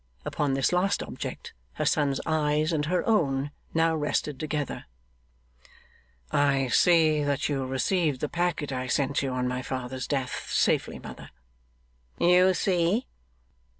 Upon this last object her son's eyes and her own now rested together. 'I see that you received the packet I sent you on my father's death, safely, mother.' 'You see.